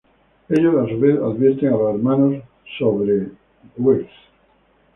Ellos, a su vez, advierten a los hermanos acerca de Wirth.